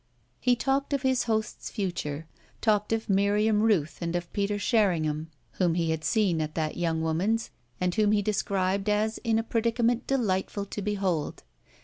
He talked of his host's future, talked of Miriam Rooth and of Peter Sherringham, whom he had seen at that young woman's and whom he described as in a predicament delightful to behold.